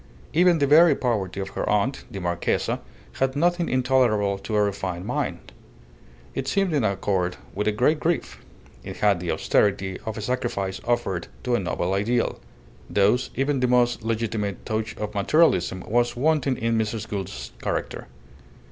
Even the very poverty of her aunt, the Marchesa, had nothing intolerable to a refined mind; it seemed in accord with a great grief: it had the austerity of a sacrifice offered to a noble ideal. Thus even the most legitimate touch of materialism was wanting in Mrs. Gould's character.